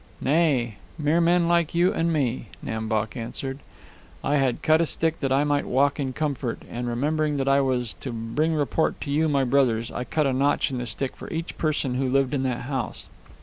"Nay; mere men like you and me," Nam Bok answered. "I had cut a stick that I might walk in comfort, and remembering that I was to bring report to you, my brothers, I cut a notch in the stick for each person who lived in that house.